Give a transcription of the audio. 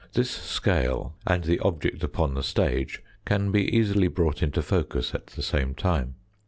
This scale and the object upon the stage can be easily brought into focus at the same time.